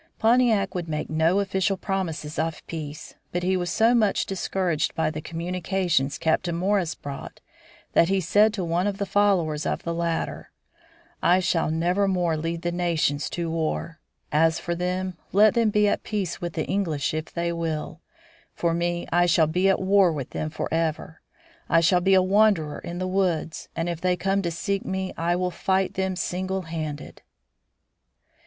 Pontiac would make no official promises of peace, but he was so much discouraged by the communications Captain Morris brought, that he said to one of the followers of the latter: "I shall never more lead the nations to war. As for them, let them be at peace with the English if they will; for me, I shall be at war with them forever. I shall be a wanderer in the woods, and if they come to seek me I will fight them single handed."